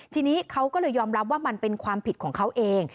ทีนี้เขาก็เลยยอมรับว่ามันเป็นความผิดของเขาเอง